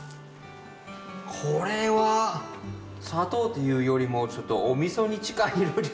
これは砂糖というよりもちょっとおみそに近い色じゃないですか。